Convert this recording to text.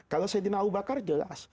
kalau sayyidina abu bakar jelas